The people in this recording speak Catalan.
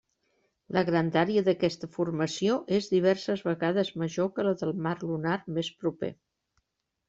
La grandària d'aquesta formació és diverses vegades major que la del mar lunar més proper.